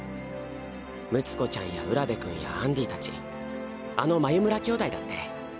睦子ちゃんや卜部くんやアンディたちあの眉村姉弟だって。